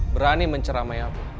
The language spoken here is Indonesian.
berani menceramai aku